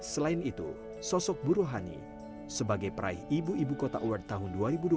selain itu sosok bu rohani sebagai peraih ibu ibu kota award tahun dua ribu dua puluh